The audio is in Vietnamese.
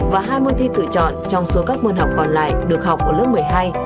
và hai môn thi tự chọn trong số các môn học còn lại được học ở lớp một mươi hai